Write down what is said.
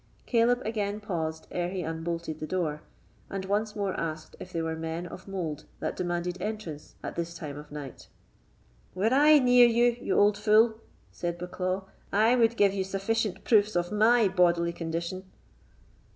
Caleb again paused ere he unbolted the door, and once more asked if they were men of mould that demanded entrance at this time of night. "Were I near you, you old fool," said Bucklaw, "I would give you sufficient proofs of my bodily condition."